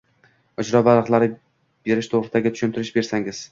ijro varaqalari berish to‘g‘risida tushuntirish bersangiz?